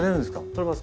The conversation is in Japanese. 取れます